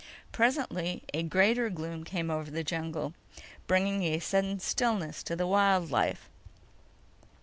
Presently, a greater gloom came over the jungle, bringing a sudden stillness to the wild life.